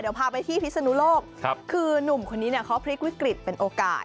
เดี๋ยวพาไปที่พิศนุโลกคือนุ่มคนนี้เนี่ยเขาพลิกวิกฤตเป็นโอกาส